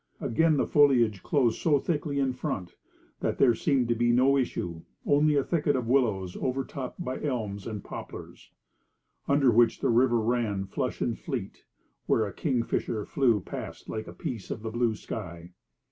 Again, the foliage closed so thickly in front, that there seemed to be no issue; only a thicket of willows, overtopped by elms and poplars, under which the river ran flush and fleet, and where a kingfisher flew past like a piece of the blue sky.